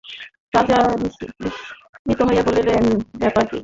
রাজা বিস্মিত হইয়া কহিলেন, খুড়াসাহেব, ব্যাপার কী!